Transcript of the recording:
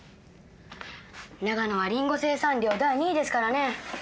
長野はリンゴ生産量第２位ですからね。